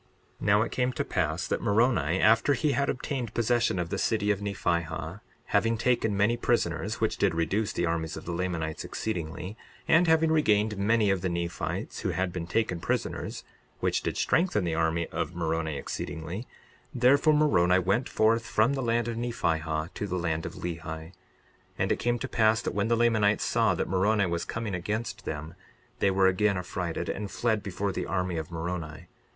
62:30 Now it came to pass that Moroni, after he had obtained possession of the city of Nephihah, having taken many prisoners, which did reduce the armies of the Lamanites exceedingly, and having regained many of the Nephites who had been taken prisoners, which did strengthen the army of Moroni exceedingly; therefore Moroni went forth from the land of Nephihah to the land of Lehi. 62:31 And it came to pass that when the Lamanites saw that Moroni was coming against them, they were again frightened and fled before the army of Moroni.